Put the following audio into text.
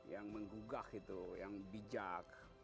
yang menggugah itu yang bijak